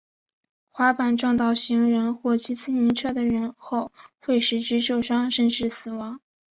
滑板撞到行人或骑自行车的人后会使之受伤甚至死亡。